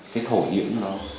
cái thổ nhưỡng nó